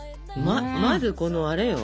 まずこのあれよ。